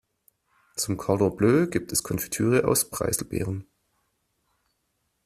Zum Cordon Bleu gibt es Konfitüre aus Preiselbeeren.